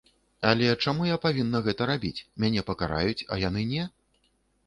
Але чаму я павінна гэта рабіць, мяне пакараюць, а яны не?